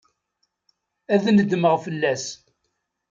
Ad nedmeɣ fell-as.